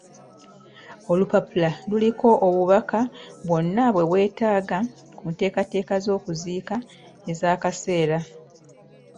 Olupapula luliko obubaka bw'onna bwe weetaaga ku nteekateeka z'okuziika ez'akaseera.